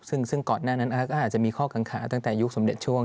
ซึ่งก่อนหน้านั้นก็อาจจะมีข้อกังขาตั้งแต่ยุคสมเด็จช่วง